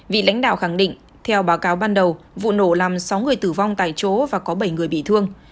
vị lãnh đạo khẳng định theo báo cáo ban đầu vụ nổ làm sáu người tử vong tại chỗ và có bảy người bị thương